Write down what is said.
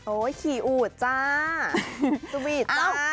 โอ้ยขี่อูดจ้าสุบีตจ้า